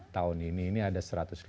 tahun ini ada satu ratus lima